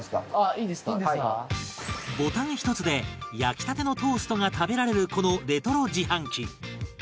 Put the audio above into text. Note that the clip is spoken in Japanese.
ボタン一つで焼きたてのトーストが食べられるこのレトロ自販機